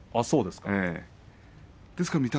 そうですか。